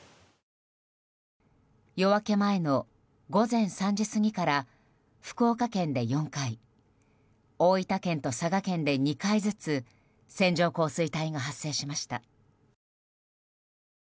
夜明け前の午前３時過ぎから福岡県で４回大分県と佐賀県で２回ずつ線状降水帯が発生しました。